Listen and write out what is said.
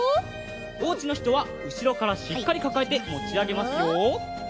おうちのひとはうしろからしっかりかかえてもちあげますよ。